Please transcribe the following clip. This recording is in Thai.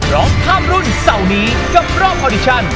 เราทำรุ่นเสาร์นี้กับรอปออดิชัอน